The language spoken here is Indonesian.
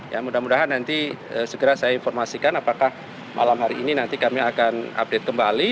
ya mudah mudahan nanti segera saya informasikan apakah malam hari ini nanti kami akan update kembali